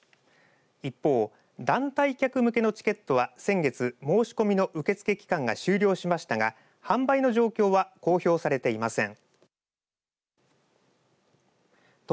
一方、団体客向けのチケットは先月、申し込みの受け付け期間が終了しましたが販売の状況は公表されていません。